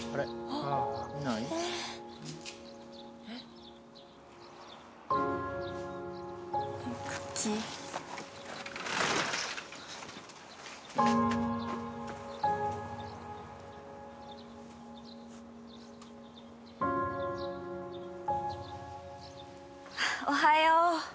・おはよう。